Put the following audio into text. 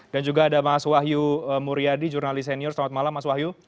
dan juga ada mas wahyu muriadi jurnali senior selamat malam mas wahyu